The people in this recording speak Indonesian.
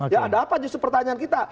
ya ada apa justru pertanyaan kita